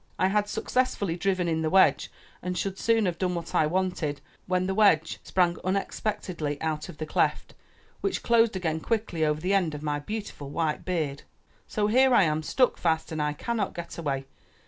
I had successfully driven in the wedge and should soon have done what I wanted, when the wedge sprang unexpectedly out of the cleft, which closed again quickly over the end of my beautiful white beard. So here I am stuck fast and I cannot get away.